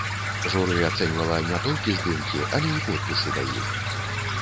Журы ацэньвала не толькі здымкі, але і подпісы да іх.